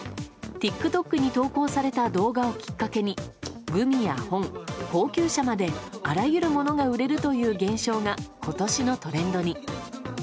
ＴｉｋＴｏｋに投稿された動画をきっかけにグミや本、高級車まであらゆるものが売れるという現象が今年のトレンドに。